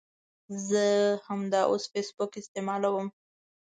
زه همداوس فیسبوک استعمالوم